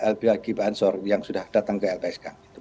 lbhg bansor yang sudah datang ke lpsk